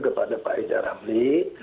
kepada pak rijal ramli